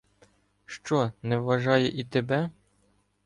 Що не вважає і тебе?